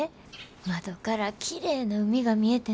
窓からきれいな海が見えてな。